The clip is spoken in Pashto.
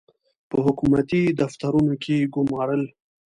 په حکومتي دفترونو کې ګومارل.